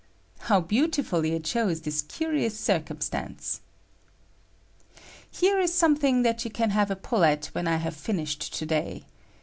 How beautifully it shows this cu rious circumstance ! Here is something that you can have a pull at when I have finished to day.